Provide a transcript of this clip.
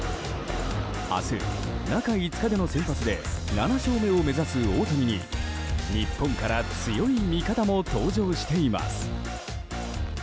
明日、中５日での先発で７勝目を目指す大谷に、日本から強い味方も登場しています。